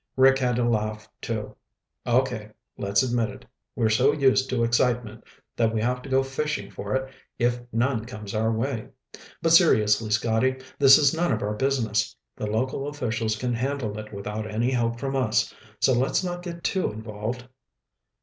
Rick had to laugh, too. "Okay. Let's admit it. We're so used to excitement that we have to go fishing for it if none comes our way. But seriously, Scotty, this is none of our business. The local officials can handle it without any help from us. So let's not get too involved."